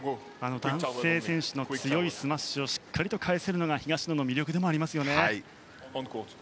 男性選手の強いスマッシュをしっかり返せるのも東野の魅力でもあります。